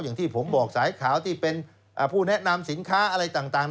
อย่างที่ผมบอกสายขาวที่เป็นผู้แนะนำสินค้าอะไรต่าง